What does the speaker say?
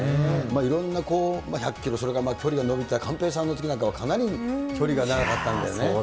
いろんな１００キロ、それから距離が延びた寛平さんのときなんか、かなり距離が長かっそうですよね。